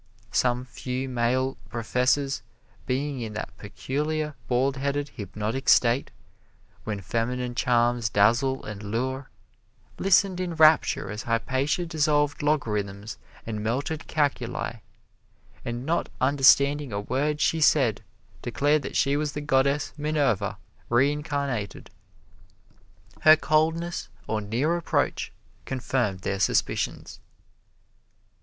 Some few male professors being in that peculiar baldheaded hypnotic state when feminine charms dazzle and lure, listened in rapture as Hypatia dissolved logarithms and melted calculi, and not understanding a word she said, declared that she was the goddess Minerva, reincarnated. Her coldness on near approach confirmed their suspicions.